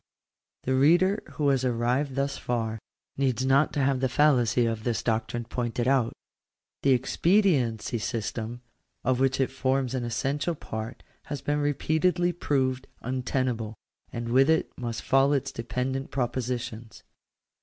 The reader who has arrived thus far, needs not to have the fallacy of this doctrine pointed out. The expediency system, of which it forms an essential part, has been repeatedly proved untenable, and with it must fall its dependent propositions.